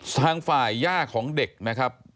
ทางฝ่ายย่าของเด็กนะครับ